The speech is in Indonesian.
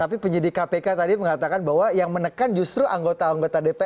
tapi penyidik kpk tadi mengatakan bahwa yang menekan justru anggota anggota dpr